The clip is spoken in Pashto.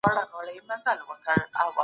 سترګې له ډېر لوستلو ستړې وي.